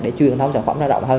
để truyền thông sản phẩm ra rộng hơn